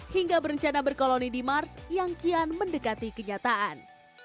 hingga berencana berkoloni di mars yang kian mendekati kenyataan